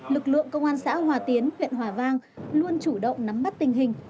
lực lượng công an xã hòa tiến huyện hòa vang luôn chủ động nắm bắt tình hình